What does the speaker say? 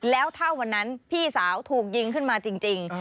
แล้วถ้าวันนั้นพี่สาวถูกยิงขึ้นมาจริง